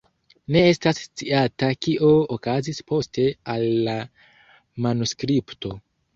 Ne estas sciata kio okazis poste al la manuskripto.